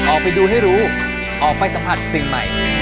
ออกไปดูให้รู้ออกไปสัมผัสสิ่งใหม่